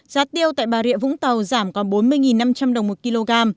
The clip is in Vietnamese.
giá tiêu tại bà rịa vũng tàu giảm còn bốn mươi năm trăm linh đồng một kg